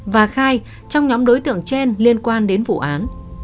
và khai trong nhóm đối tượng trên liên quan đến vụ án